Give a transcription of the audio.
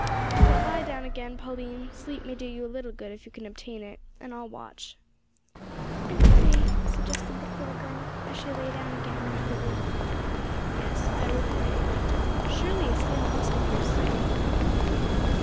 But lie down again, Pauline; sleep may do you a little good if you can obtain it, and I will watch." "And pray," suggested the poor girl, as she lay down again, languidly. "Yes, I will pray. Surely a sail must appear soon!"